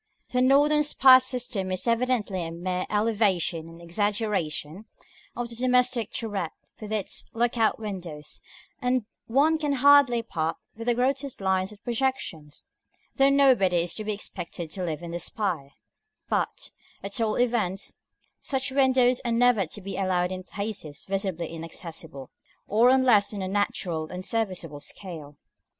The northern spire system is evidently a mere elevation and exaggeration of the domestic turret with its look out windows, and one can hardly part with the grotesque lines of the projections, though nobody is to be expected to live in the spire: but, at all events, such windows are never to be allowed in places visibly inaccessible, or on less than a natural and serviceable scale.